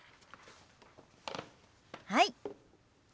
はい。